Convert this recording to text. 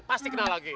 pasti kenal lagi